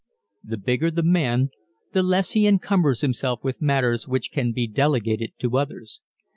The bigger the man, the less he encumbers himself with matters which can be delegated to others.